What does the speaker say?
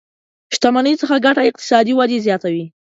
شتمنۍ څخه ګټه اقتصادي ودې زياته وي.